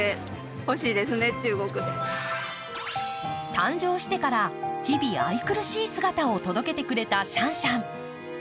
誕生してから日々、愛くるしい姿を届けてくれたシャンシャン。